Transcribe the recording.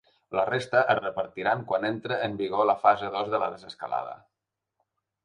La resta es repartiran quan entre en vigor la fase dos de la desescalada.